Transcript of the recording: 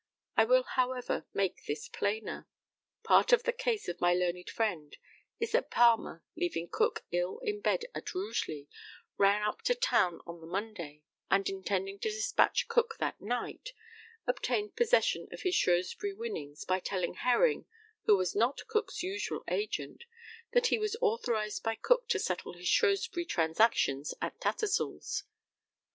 I will, however, make this plainer. Part of the case of my learned friend is that Palmer, leaving Cook ill in bed at Rugeley, ran up to town on the Monday, and intending to despatch Cook that night, obtained possession of his Shrewsbury winnings by telling Herring, who was not Cook's usual agent, that he was authorized by Cook to settle his Shrewsbury transactions at Tattersall's.